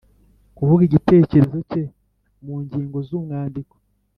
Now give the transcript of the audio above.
Kuvuga igitekerezo cye mu ngingo z’umwandiko